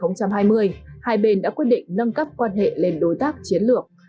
năm hai nghìn hai mươi hai bên đã quyết định nâng cấp quan hệ lên đối tác chiến lược